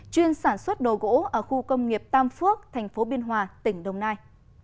chuyên sản xuất đồ gỗ ở khu công nghiệp tam phước tp biên hòa tỉnh đồng nai